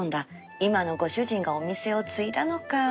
今のご主人がお店を継いだのか